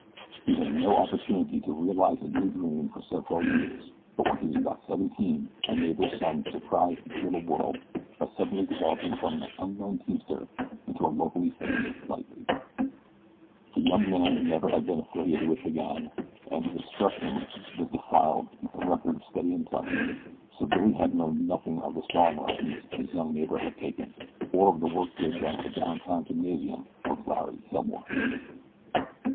He had no opportunity to realize his new dream for several years; but when he was about seventeen a neighbor's son surprised his little world by suddenly developing from an unknown teamster into a locally famous light weight. The young man never had been affiliated with the gang, as his escutcheon was defiled with a record of steady employment. So Billy had known nothing of the sparring lessons his young neighbor had taken, or of the work he had done at the down town gymnasium of Larry Hilmore.